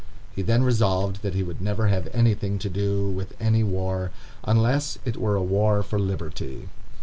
He then resolved that he would never have anything to do with any war, unless it were a war for liberty.